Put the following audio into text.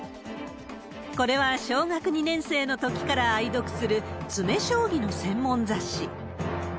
これは、小学２年生のときから愛読する詰め将棋の専門雑誌。